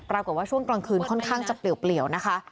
ปรากฏว่าช่วงกลางคืนค่อนข้างจะเปลี่ยวนะคะ